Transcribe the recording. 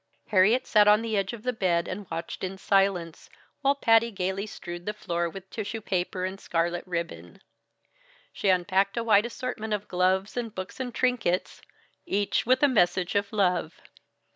Harriet sat on the edge of the bed and watched in silence, while Patty gaily strewed the floor with tissue paper and scarlet ribbon. She unpacked a wide assortment of gloves and books and trinkets, each with a message of love.